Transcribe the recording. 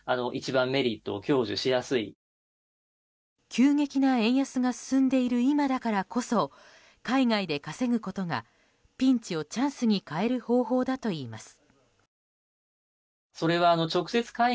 急激な円安が進んでいる今だからこそ海外で稼ぐことがピンチをチャンスに変える方法だといいます。